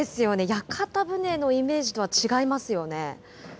屋形船のイメージとは違いますよ